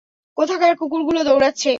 কোথাকার কুকুরগুলো দৌড়াচ্ছে!